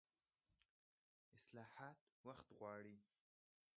اصلاحات وخت غواړي